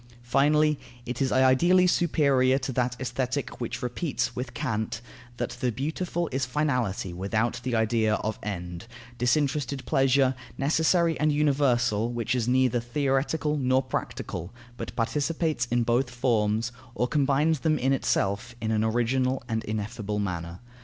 Finally, it is ideally superior to that Aesthetic which repeats with Kant, that the beautiful is finality without the idea of end, disinterested pleasure, necessary and universal, which is neither theoretical nor practical, but participates in both forms, or combines them in itself in an original and ineffable manner.